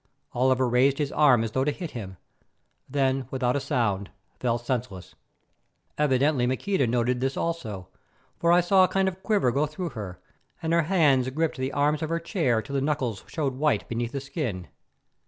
Oliver raised his arm as though to hit him, then without a sound fell senseless. Evidently Maqueda noted all this also, for I saw a kind of quiver go through her, and her hands gripped the arms of her chair till the knuckles showed white beneath the skin.